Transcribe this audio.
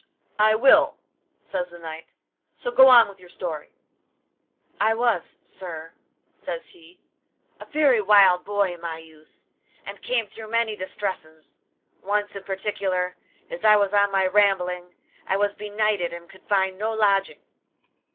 'I will,' says the knight, 'so go on with your story.' 'I was, sir,' says he, 'a very wild boy in my youth, and came through many distresses; once in particular, as I was on my rambling, I was benighted and could find no lodging.